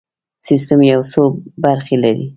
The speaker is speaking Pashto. سیستم یو څو برخې لري.